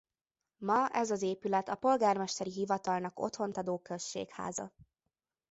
Ma ez az épület a polgármesteri hivatalnak otthont adó községháza.